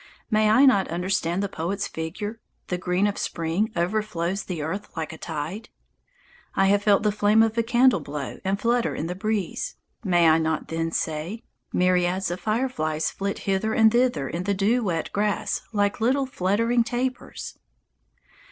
May I not understand the poet's figure: "The green of spring overflows the earth like a tide"? I have felt the flame of a candle blow and flutter in the breeze. May I not, then, say: "Myriads of fireflies flit hither and thither in the dew wet grass like little fluttering tapers"?